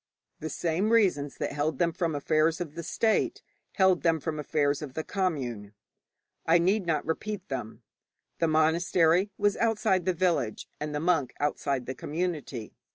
The same reasons that held them from affairs of the state held them from affairs of the commune. I need not repeat them. The monastery was outside the village, and the monk outside the community.